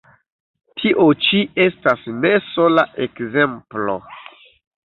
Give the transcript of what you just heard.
Tio ĉi estas ne sola ekzemplo.